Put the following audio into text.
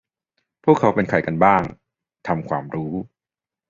พวกเขาเป็นใครกันบ้าง ทำความรู้